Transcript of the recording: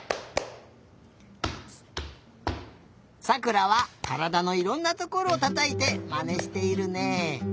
さくらはからだのいろんなところたたいてまねしているね。